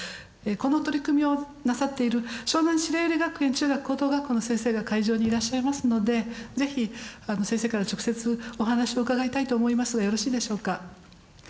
この取り組みをなさっている湘南白百合学園中学・高等学校の先生が会場にいらっしゃいますので是非先生から直接お話を伺いたいと思いますがよろしいでしょうか。